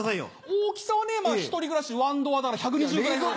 大きさはね１人暮らしワンドアだから１２０ぐらいの。